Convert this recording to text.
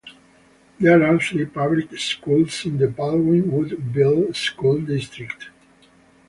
There are three public schools in the Baldwin Woodville School District.